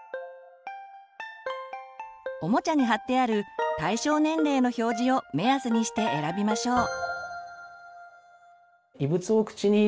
おもちゃに貼ってある対象年齢の表示を目安にして選びましょう。